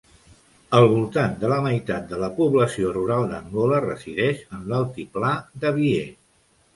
Al voltant de la meitat de la població rural d'Angola resideix en l'altiplà de Bié.